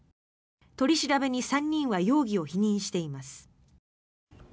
取り調べに３人は容疑を否認しています。